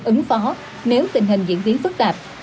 ứng phó nếu tình hình diễn biến phức tạp